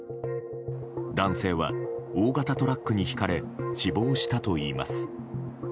男性は、大型トラックにひかれ死亡したといいます。